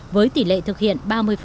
với tỷ lệ thực hiện ba mươi